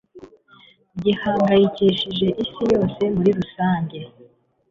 gihangayikishije Isi yose muri rusange